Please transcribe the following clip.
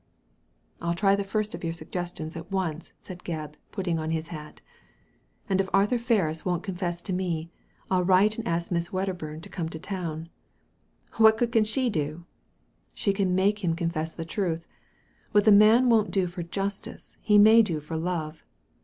" III try the first of your suggestions at once," said Gebb, putting on his hat "And if Ferris won't confess to me, 111 write and ask Miss Wcdderburn to come to town." *« What good can she do ?"She can make him confess the truth. What the man won't do for justice he may do for love.